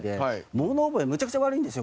物覚え、めちゃくちゃ悪いんですよ